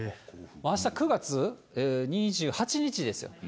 あした９月２８日です。